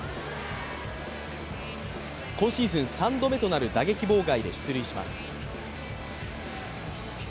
今シーズン３度目となる打撃妨害で出塁します。